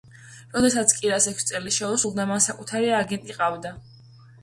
როდესაც კირას ექვსი წელი შეუსრულდა, მას საკუთარი აგენტი ჰყავდა.